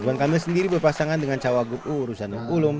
ridwan kamil sendiri berpasangan dengan cawa gub u rusanung ulum